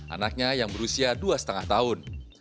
anaknya yang berusia dua lima tahun